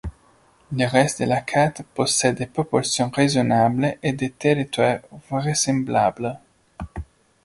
Le reste de la carte possède des proportions raisonnables et des territoires vraisemblables.